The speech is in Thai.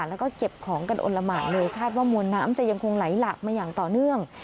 แล้วก็เก็บของกันอลละหมานเลยคาดว่ามวลน้ำจะยังคงไหลหลากมาอย่างต่อเนื่อง